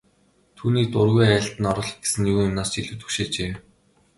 Түүнийг дургүй айлд нь оруулах гэсэн нь юу юунаас ч илүү түгшээжээ.